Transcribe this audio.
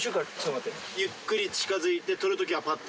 ゆっくり近づいて捕る時はパッ！